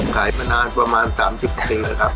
ขายมานานประมาณ๓๐ปีครับ